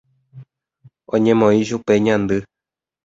Oñemoĩ chupe ñandy.